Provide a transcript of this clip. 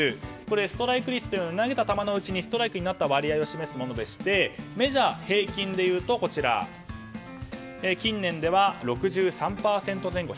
ストライク率というのは投げた球のうちのストライクになった割合を示すものでしてメジャー平均でいうと近年では６３％前後。